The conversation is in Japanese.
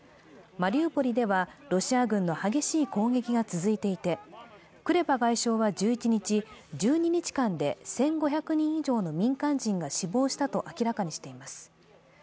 マリウポリではロシア軍の激しい攻撃が続いていて、クレバ外相は１１日、１２日間で１５００人以上の民間人が死亡したと明らかにしています。